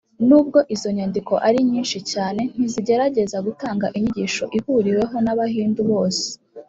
nubwo izo nyandiko ari nyinshi cyane, ntizigerageza gutanga inyigisho ihuriweho n’abahindu bose.